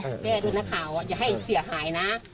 แก้ด้วยนักข่าวว่าอย่าให้เสียหายนะ